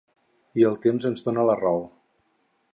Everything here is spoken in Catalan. I el temps ens dóna la raó.